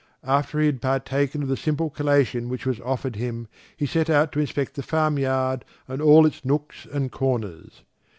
After he had partaken of the simple collation which was offered him he set out to inspect the farm yard and all its nooks and corners.